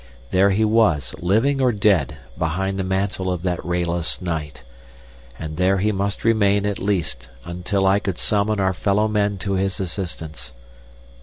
There he was, living or dead behind the mantle of that rayless night, and there he must remain at least until I could summon our fellow men to his assistance.